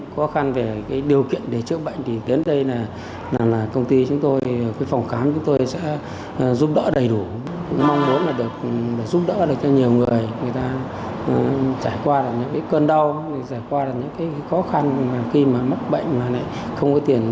khó khăn về điều kiện để chữa bệnh thì đến đây là công ty chúng tôi phòng khám chúng tôi sẽ giúp đỡ đầy đủ